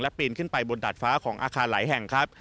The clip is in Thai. ปีนขึ้นไปบนดาดฟ้าของอาคารหลายแห่งครับ